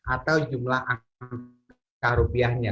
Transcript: atau jumlah angka rupiahnya